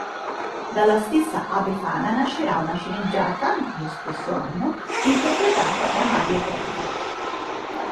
Dalla stessa "'A befana" nascerà una sceneggiata lo stesso anno, interpretata da Mario Trevi.